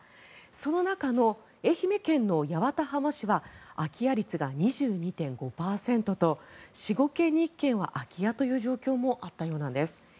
その中の愛媛県の八幡浜市は空き家率が２２．５％と４５軒に１軒は空き家という状況もあったそうなんです。